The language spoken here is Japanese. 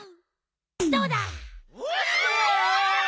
どうだ？わ！